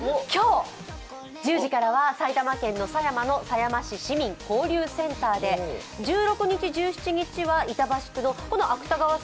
今日１０時からは埼玉県の狭山市の狭山市市民交流センターで１６日、１７日は板橋区の芥川